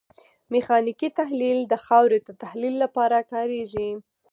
میخانیکي تحلیل د خاورې د تحلیل لپاره کاریږي